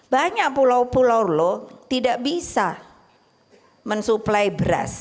banyak pulau pulau lo tidak bisa mensuplai beras